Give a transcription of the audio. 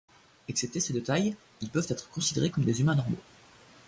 Excepté ce détail, ils peuvent être considérés comme des humains normaux.